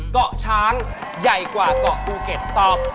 เกาะช้างใหญ่กว่าเกาะภูเก็ตตอบ